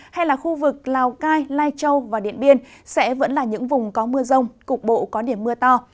hay là khu vực lào cai lai châu và điện biên sẽ vẫn là những vùng có mưa rông cục bộ có điểm mưa to